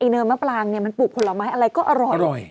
เนินมะปรางเนี่ยมันปลูกผลไม้อะไรก็อร่อย